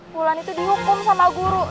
bulan itu dihukum sama guru